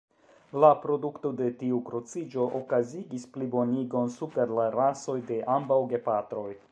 La produkto de tiu kruciĝo okazigis plibonigon super la rasoj de ambaŭ gepatroj.